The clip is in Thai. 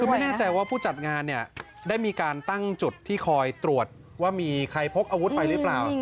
คือไม่แน่ใจว่าผู้จัดงานเนี่ยได้มีการตั้งจุดที่คอยตรวจว่ามีใครพกอาวุธไปหรือเปล่า